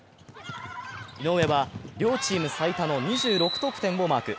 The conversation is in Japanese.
井上は両チーム最多の２６得点をマーク。